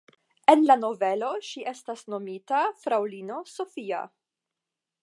En la novelo ŝi estas nomita fraŭlino Sofia.